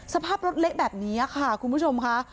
สภาพรถเละแบบนี้ค่ะคุณผู้ชมค่ะ